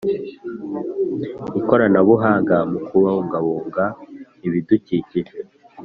ikoranabuhanga mukubungabunga ibidukikije